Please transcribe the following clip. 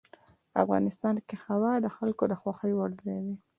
افغانستان کې هوا د خلکو د خوښې وړ ځای دی.